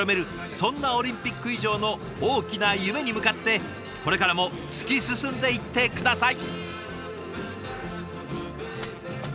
そんなオリンピック以上の大きな夢に向かってこれからも突き進んでいって下さい！